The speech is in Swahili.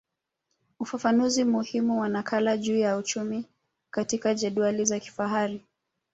Ufafanuzi muhimu wa nakala juu ya uchumi katika jedwali za kifahari